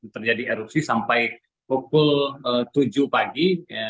terjadi erupsi sampai pukul tujuh pagi